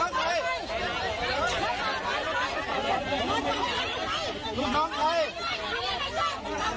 หมวกมะพวกกรียี่เดาคำกระทั่วคำกระทั่ว